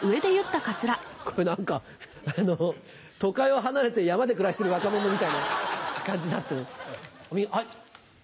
これ、なんか、あの、都会を離れて山で暮らしてる若者みたいな感じになってる。